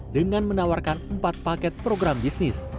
dengan menawarkan empat paket program bisnis